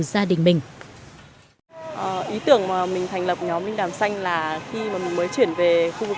gia đình mình ý tưởng mà mình thành lập nhóm linh đàm xanh là khi mà mình mới chuyển về khu vực